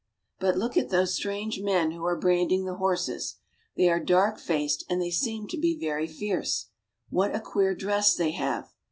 But look at those strange men who are branding the horses. They are dark faced, and they seem to be very fierce. What a queer dress they have